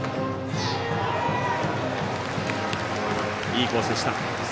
いいコースでした。